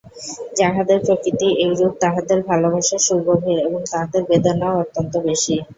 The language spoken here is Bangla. যাহাদের প্রকৃতি এইরূপ তাহাদের ভালোবাসা সুগভীর এবং তাহাদের বেদনাও অত্যন্ত বেশি।